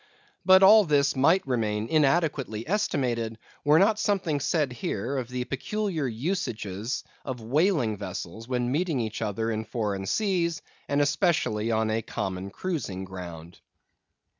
But all this might remain inadequately estimated, were not something said here of the peculiar usages of whaling vessels when meeting each other in foreign seas, and especially on a common cruising ground.